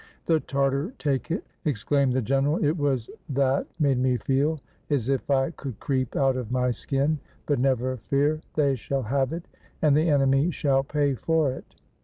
'' The Tartar take it !" exclaimed the general ;" it was that made me feel as if I could creep out of my skin. But never fear — they shall have it, and the enemy shall pay for it!"